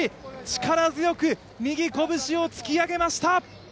力強く右こぶしを突き上げました。